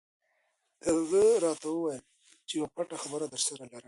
هغه راته وویل چې یوه پټه خبره درسره لرم.